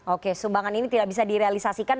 oke sumbangan ini tidak bisa direalisasikan